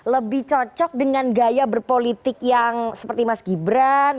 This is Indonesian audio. lebih cocok dengan gaya berpolitik yang seperti mas gibran